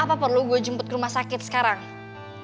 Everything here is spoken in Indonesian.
apa perlu gue jemput ke rumah sakit sekarang